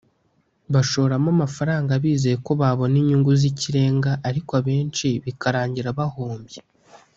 bashoramo amafaranga bizeye ko babona inyungu z’ikirenga ariko abenshi bikarangira bahombye